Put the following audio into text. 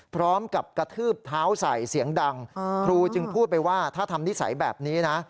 พร้อมกับกระทืบเท้าใส่เสียงดังครูจึงพูดไปว่าถ้าทำนิสัยแบบนี้นะ